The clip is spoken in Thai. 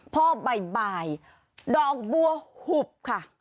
พอบ่ายดอกบัวหุบค่ะ